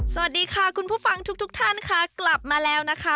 สวัสดีค่ะคุณผู้ฟังทุกทุกท่านค่ะกลับมาแล้วนะคะ